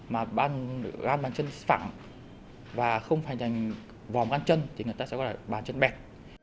mà gan bàn chân phẳng và không hình thành vòng bàn chân thì người ta sẽ gọi là bàn chân bẹt